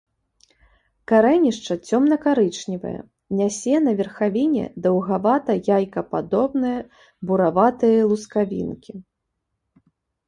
Карэнішча цёмна-карычневае, нясе на верхавіне даўгавата-яйкападобныя, бураватыя лускавінкі.